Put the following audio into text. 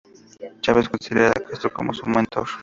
Chávez considera a Castro como su mentor.